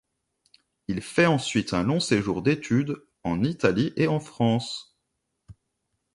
Il fait ensuite un long séjour d'études en Italie et en France.